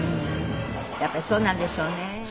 やっぱりそうなんでしょうね。